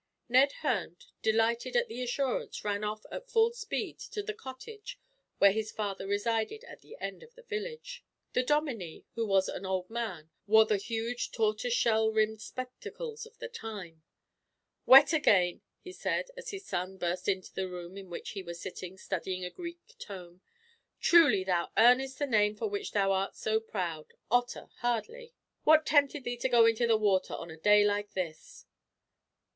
Ned Hearne, delighted at the assurance, ran off at full speed to the cottage where his father resided, at the end of the village. The dominie, who was an old man, wore the huge tortoise shell rimmed spectacles of the time. "Wet again," he said, as his son burst into the room in which he was sitting, studying a Greek tome. "Truly thou earnest the name of which thou art so proud, Otter, hardly. What tempted thee to go into the water, on a day like this?"